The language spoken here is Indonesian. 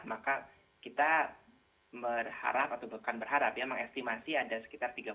maka kita berharap atau bukan berharap ya mengestimasi ada sekitar